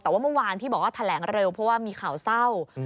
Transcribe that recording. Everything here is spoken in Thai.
แต่ว่าเมื่อวานที่บอกว่าแถลงเร็วเพราะว่ามีข่าวเศร้า